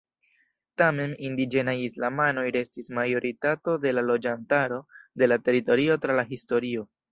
Tamen, indiĝenaj islamanoj restis majoritato de la loĝantaro de la teritorio tra la historio.